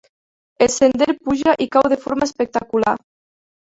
El sender puja i cau de forma espectacular.